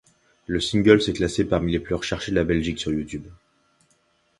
Le single s'est classé parmi les plus recherchés de la Belgique sur YouTube.